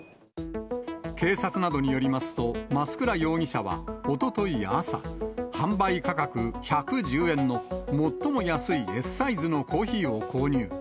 警察などによりますと、増倉容疑者はおととい朝、販売価格１１０円の最も安いＳサイズのコーヒーを購入。